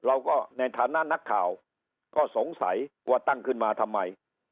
ในฐานะนักข่าวก็สงสัยว่าตั้งขึ้นมาทำไม